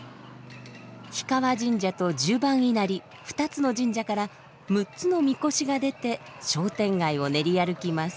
氷川神社と十番稲荷２つの神社から６つの神輿が出て商店街を練り歩きます。